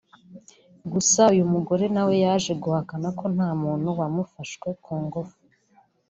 Gusa uyu mugore na we yaje guhakana ko nta muntu wamufashwe ku ngufu